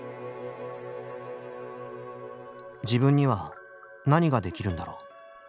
自分には何ができるんだろう。